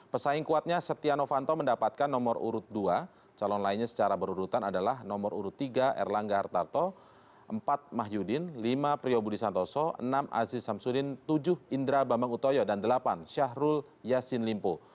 pesaing kuatnya setia novanto mendapatkan nomor urut dua calon lainnya secara berurutan adalah nomor urut tiga erlangga hartarto empat mahyudin lima prio budi santoso enam aziz samsudin tujuh indra bambang utoyo dan delapan syahrul yassin limpo